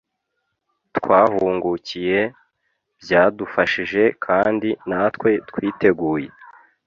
twahungukiye, byadufashije kandi natwe twiteguye